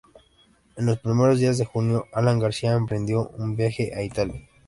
En los primeros días de junio, Alan García emprendió un viaje a Italia.